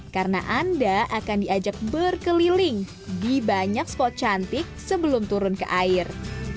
karena anda akan diajak berkeliling di banyak spot cantik sebelum turun ke air